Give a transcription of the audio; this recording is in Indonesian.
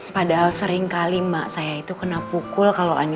padahal sering kali emak saya itu kena pukul kalau ani lagi nangis